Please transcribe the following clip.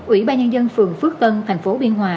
ủy ban nhân dân phường phước tân tp biên hòa